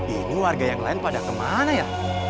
ini warga yang lain pada kemana ya